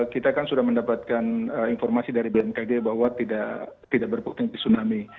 kita kan sudah mendapatkan informasi dari bmkg bahwa tidak berpotensi tsunami